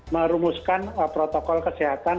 merumuskan protokol kesehatan